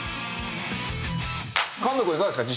菅野くんいかがですか？